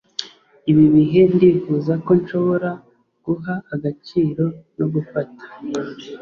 ibi bihe ndifuza ko nshobora guha agaciro no gufata